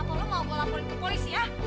apakah lu mau gua laporin ke polisi ya